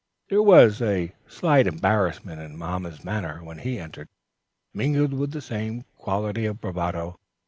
There was a slight embarrassment in mamma's manner when he entered, mingled with the same quantity of bravado.